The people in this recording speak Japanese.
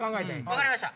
分かりました。